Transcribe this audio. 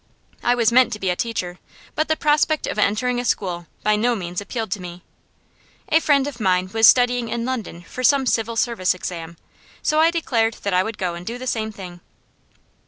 I was meant to be a teacher, but the prospect of entering a school by no means appealed to me. A friend of mine was studying in London for some Civil Service exam., so I declared that I would go and do the same thing.